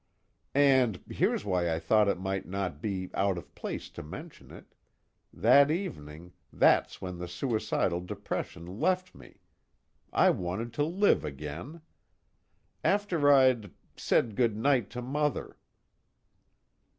_ "And here's why I thought it might not be out of place to mention it that evening, that's when the suicidal depression left me. I wanted to live again. After I'd said good night to Mother."